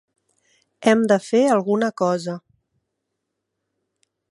Hem de fer alguna cosa.